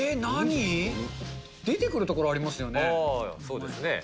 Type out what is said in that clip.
そうですね。